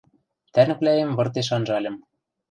Тӓнгвлӓэм выртеш анжальым.